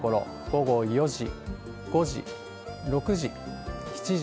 午後４時、５時、６時、７時、８時、９時。